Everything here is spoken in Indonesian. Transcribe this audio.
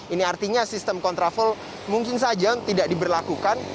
ini artinya sistem kontraflow mungkin saja tidak diberlakukan